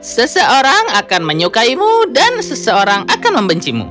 seseorang akan menyukaimu dan seseorang akan membencimu